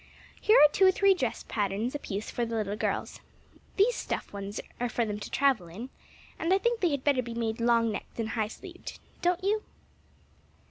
Here are two or three dress patterns apiece for the little girls. These stuff ones are for them to travel in, and I think they had better be made long necked and high sleeved. Don't you?"